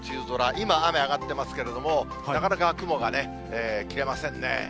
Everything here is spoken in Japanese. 今、雨上がってますけれども、なかなか雲が切れませんね。